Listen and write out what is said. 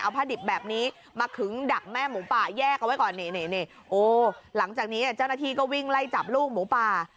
ผ้าดิบแบบนี้มาขึงดักแม่หมูป่าแยกเอาไว้ก่อนนี่โอ้หลังจากนี้เจ้าหน้าที่ก็วิ่งไล่จับลูกหมูป่า